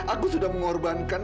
aku sudah mengorbankan